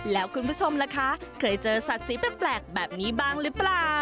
แล้วคุณผู้ชมล่ะคะเคยเจอสัตว์สีแปลกแบบนี้บ้างหรือเปล่า